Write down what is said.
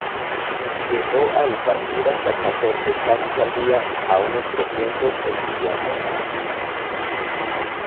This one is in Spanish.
Llegó a impartir hasta catorce clases al día a unos trescientos estudiantes.